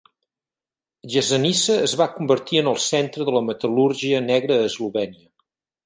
Jesenice es va convertir en el centre de la metal·lúrgia negra a Eslovènia.